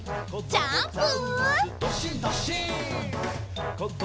ジャンプ！